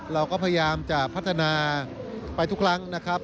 เราก็พยายามจะพัฒนาไปทุกครั้งนะครับ